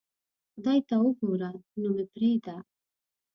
خدای ته اوګوره نو مې پریدا